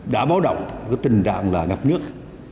đã báo động có tình trạng là ngập nước